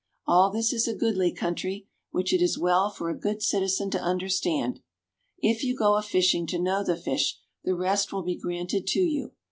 All this is a goodly country, which it is well for a good citizen to understand. If you go a fishing to know the fish, the rest will be granted to you.